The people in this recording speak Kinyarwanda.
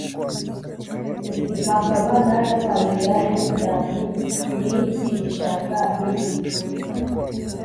hakaba n'aya mazi ya yorudani, n'iki gishanga n'ibi bihuru